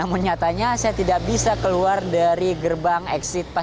namun nyatanya saya tidak bisa keluar dari gerbang eksit tol soreang